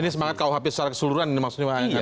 ini semangat kuhp secara keseluruhan ini maksudnya rukuhp ya